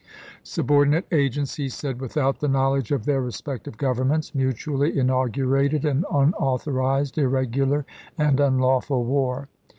" Subordinate agents," he said, " without the knowledge of their respective Governments, mutually inaugurated an unauthor ized, irregular, and unlawful war.